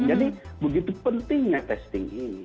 jadi begitu pentingnya testing ini